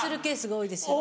多いですよね。